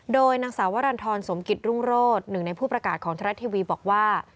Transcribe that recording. โดยนางสาววรรณฑรสมกิจรุ่งโรศหนึ่งในผู้ประกาศของทรัฐทีวีบอกว่า